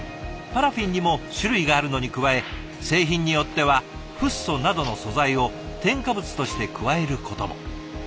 パラフィンにも種類があるのに加え製品によってはフッ素などの素材を添加物として加えることも。